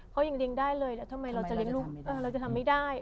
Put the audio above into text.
เขายังเลี้ยงได้เลยแล้วทำไมเราจะเลี้ยงลูกเราจะทำไม่ได้